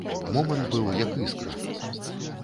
Момант быў як іскра.